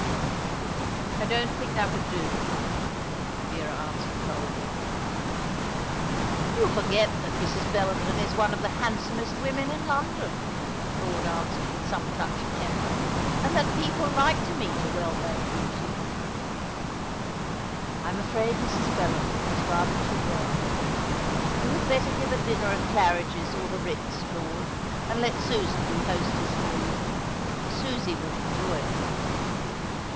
"I don't think that would do," Vera answered coldly. "You forget that Mrs. Bellenden is one of the handsomest women in London," Claude answered with some touch of temper, "and that people like to meet a well known beauty." "I'm afraid Mrs. Bellenden is rather too well known. You had better give a dinner at 'Claridge's' or the 'Ritz,' Claude, and let Susan do hostess for you. Susie would enjoy it."